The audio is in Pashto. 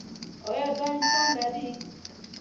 آيا دا امکان لري